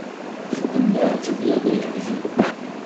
Ixdem laɛǧeb yerna yeḥjeb.